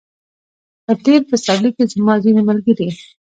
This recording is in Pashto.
په تېر پسرلي کې زما ځینې ملګري